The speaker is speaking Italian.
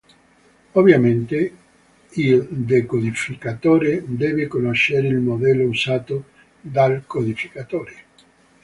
Ovviamente il decodificatore deve conoscere il modello usato dal codificatore.